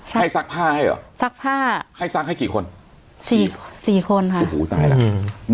ใช่ให้ซักผ้าให้เหรอซักผ้าให้ซักให้กี่คนสี่สี่คนค่ะโอ้โหตายแล้วอืม